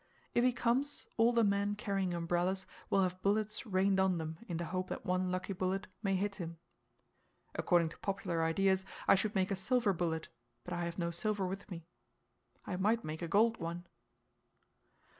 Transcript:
If he comes, all the men carrying umbrellas will have bullets rained on them in the hope that one lucky bullet may hit him. According to popular ideas, I should make a silver bullet, but I have no silver with me. I might make a gold one.